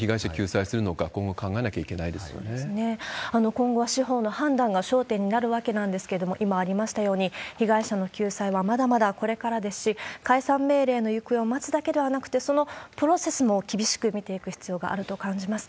今後は司法の判断が焦点になるわけなんですけれども、今ありましたように、被害者の救済はまだまだこれからですし、解散命令の行方を待つだけではなくて、そのプロセスも厳しく見ていく必要があると感じます。